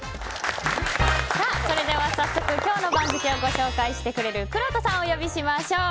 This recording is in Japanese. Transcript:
それでは早速今日の番付をご紹介してくれるくろうとさんをお呼びしましょう。